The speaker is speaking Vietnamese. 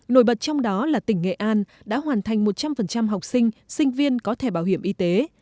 nổi bật trong đó là tỉnh nghệ an đã hoàn thành một trăm linh học sinh sinh viên có thể bảo hiểm y tế